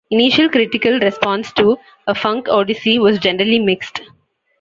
Initial critical response to "A Funk Odyssey" was generally mixed.